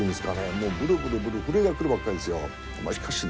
もうブルブルブル震えが来るばっかりですよ。